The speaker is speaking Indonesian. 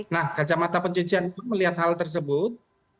nah kacamata pencucian itu melihat hal tersebut